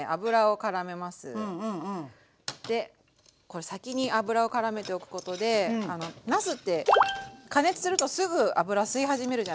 これ先に油をからめておくことでなすって加熱するとすぐ油吸い始めるじゃないですか。